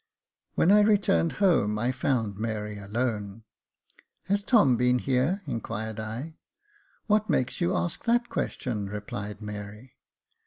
When I returned home, I found Mary alone. " Has Tom been here ?" inquired L " What makes you ask that question ?" replied Mary.